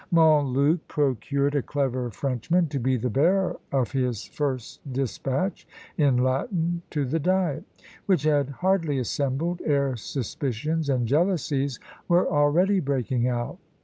Montluc procured a clever Frenchman to be the bearer of his first despatch, in Latin, to the diet; which had hardly assembled, ere suspicions and jealousies were already breaking out.